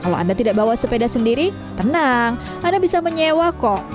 kalau anda tidak bawa sepeda sendiri tenang anda bisa menyewa kok